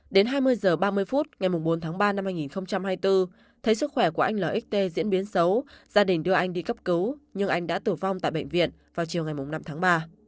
đến hai mươi h ba mươi phút ngày bốn tháng ba năm hai nghìn hai mươi bốn thấy sức khỏe của anh l diễn biến xấu gia đình đưa anh đi cấp cứu nhưng anh đã tử vong tại bệnh viện vào chiều ngày năm tháng ba